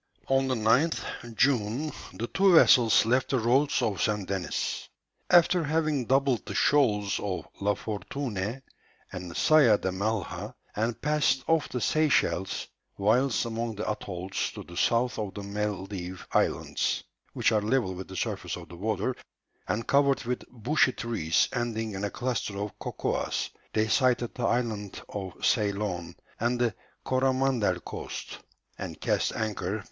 On the 9th June the two vessels left the roads of St. Denis. After having doubled the shoals of La Fortune and Saya de Malha, and passed off the Seychelles, whilst among the atolls to the south of the Maldive Islands, which are level with the surface of the water and covered with bushy trees ending in a cluster of cocoas, they sighted the island of Ceylon and the Coromandel coast, and cast anchor before Pondicherry.